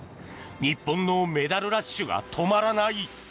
日本のメダルラッシュが止まらない。